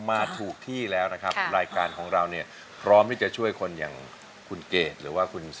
มาถูกที่แล้วนะครับรายการของเราเนี่ยพร้อมที่จะช่วยคนอย่างคุณเกดหรือว่าคุณ